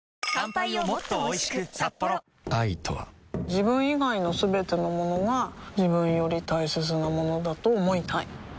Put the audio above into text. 自分以外のすべてのものが自分より大切なものだと思いたい